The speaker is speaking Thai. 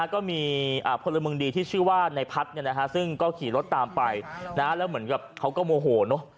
ก็มีพลเมืองดีที่ชื่อว่าในพัฒน์ซึ่งก็ขี่รถตามไปแล้วเหมือนกับเขาก็โมโหเนอะ